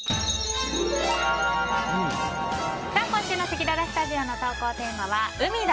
今週のせきららスタジオの投稿テーマは海だ！